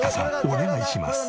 お願いします。